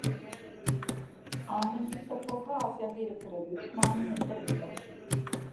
ஆனை கிட்டப் போக ஆசையாக இருக்கிறது மாணி எட்ட வில்லை.